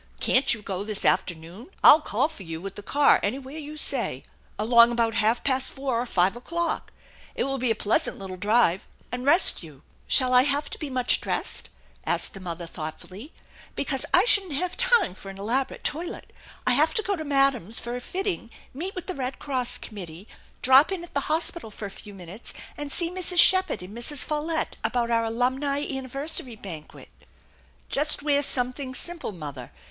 Can't you go this afternoon ? I'll call for you with the car anywhere you say, along about half past four or five o'clock. It will be a pleasant little drive and rest you." " Shall I have to be much dressed ?" asked the mother thoughtfully, "because I shouldn't have time for an elab orate toilet. I have to go to Madame's for a fitting, meet with the Red Cross committee, drop in at the hospital for a few minutes, and see Mrs. Sheppard and Mrs. Follette about our Alumni Anniversary banquet." "Just wear something simple, mother.